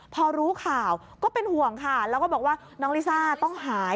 พอรู้ข่าวก็เป็นห่วงค่ะแล้วก็บอกว่าน้องลิซ่าต้องหาย